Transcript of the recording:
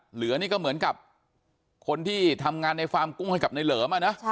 เหลือนี่ก็เหมือนกับคนที่ทำงานในฟาร์มกุ้งให้กับในเหลิมอ่ะนะ